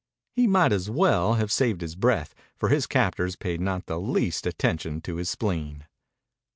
He might as well have saved his breath, for his captors paid not the least attention to his spleen.